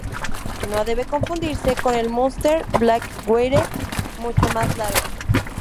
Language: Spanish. No debe confundirse con el Munster Blackwater, mucho más largo.